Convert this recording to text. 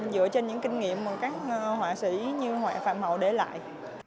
dựa trên những kinh nghiệm mà các họa sĩ như họa phạm hậu để lại